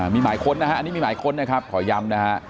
มีหมายค้นนะฮะอันนี้มีหมายค้นนะครับขอย้ำนะฮะ